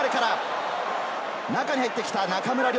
中に入ってきた中村亮